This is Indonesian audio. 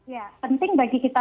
ya penting bagi kita